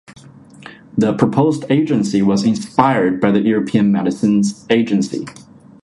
The proposed agency was inspired by the European Medicines Agency.